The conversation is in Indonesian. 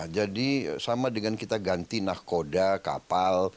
jadi sama dengan kita ganti nahkoda kapal